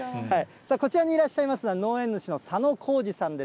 こちらにいらっしゃいますのは、農園主の佐野浩司さんです。